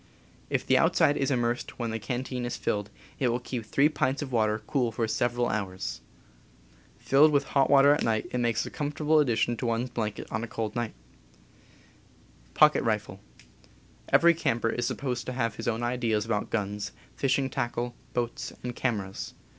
If the outside is immersed when the can teen is filled it will keep three pints of water cool for several hours. Filled with hot water at night, it makes a comfortable addition to one's blanket on a cold night. Every camper is supposed to have his own ideas about guns, fishing tackle, boats and cameras.